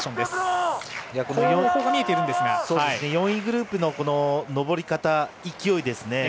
４位グループの上り方、勢い